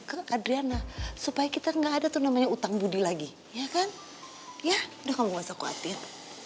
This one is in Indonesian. ke adriana supaya kita enggak ada tuh namanya utang budi lagi ya kan ya udah kalau nggak usah khawatir